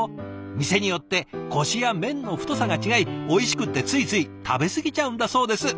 店によってコシや麺の太さが違いおいしくってついつい食べ過ぎちゃうんだそうです。